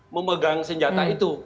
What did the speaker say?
memegang senjata itu